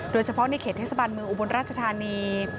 โดยเฉพาะในเขตเทศบาลเมืองอุบลราชธานี